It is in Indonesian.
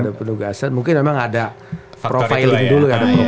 ada penugasan mungkin memang ada profiling dulu ya